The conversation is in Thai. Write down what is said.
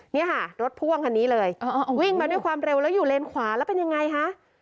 นี่ค่ะรถพ่วงคันนี้เลยวิ่งมาด้วยความเร็วแล้วอยู่เลนขวาแล้วเป็นยังไงคะ